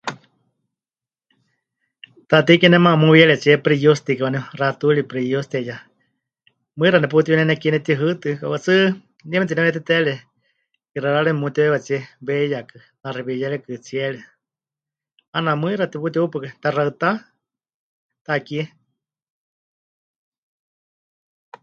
Taatei Kie nemaama muwiyarietsie Pɨriyútsitikɨ waaníu, xatuuri pɨriyútsitieya, mɨixa neputíhui nekie netihɨɨtɨ, kauka tsɨ nie meteneuyeteteere 'ixɨarari memutiweewiwatsie weiyakɨ, naxiwíyarikɨ tsiere, 'aana mɨixa teputihupukai taxaɨtá, takie.